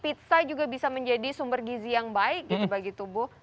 pizza juga bisa menjadi sumber gizi yang baik gitu bagi tubuh